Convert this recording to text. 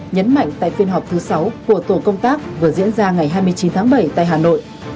nhấn mạnh tại phiên họp thứ sáu của tổ công tác vừa diễn ra ngày hai mươi chín tháng bảy tại hà nội